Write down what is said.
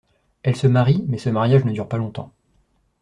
Elle se marie mais ce mariage ne dure pas longtemps.